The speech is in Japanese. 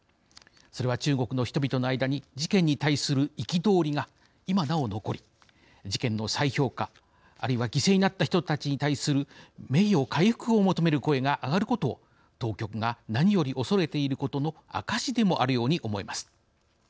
それは、中国の人々の間に事件に対する憤りが今なお残り事件の再評価あるいは犠牲になった人たちに対する名誉回復を求める声が上がることを当局が何よりおそれていることの「あかし」でもあるように思えます。